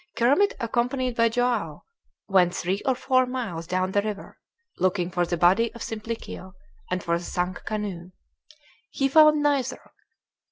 Kermit accompanied by Joao, went three or four miles down the river, looking for the body of Simplicio and for the sunk canoe. He found neither.